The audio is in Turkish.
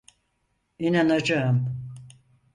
İnanacağım.